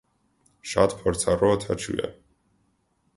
Շատ փորձառու օդաչու է։